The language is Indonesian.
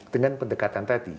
dengan pendekatan tadi